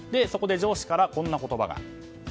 そこで上司からこんな言葉が。